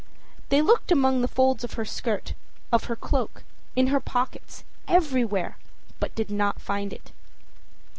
â They looked among the folds of her skirt, of her cloak, in her pockets, everywhere, but did not find it.